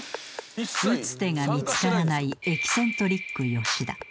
［打つ手が見つからないエキセントリック吉田］